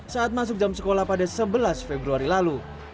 saat masuk jam sekolah pada sebelas februari lalu